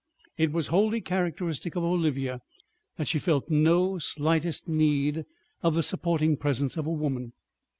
It was wholly characteristic of Olivia that she felt no slightest need of the supporting presence of a woman.